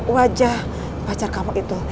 wajah pacar kamu itu